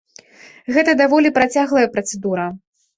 Гэта даволі працяглая працэдура.